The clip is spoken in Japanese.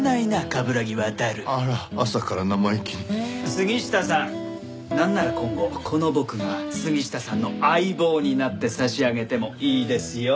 杉下さんなんなら今後この僕が杉下さんの相棒になって差し上げてもいいですよ。